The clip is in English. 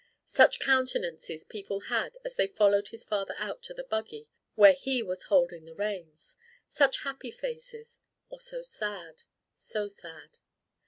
Such countenances people had as they followed his father out to the buggy where he was holding the reins! Such happy faces or so sad, so sad!